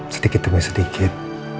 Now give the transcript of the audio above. sedikit demi sedikit